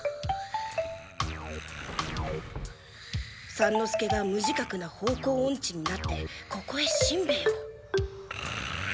三之助が無自覚な方向オンチになってここへしんべヱを。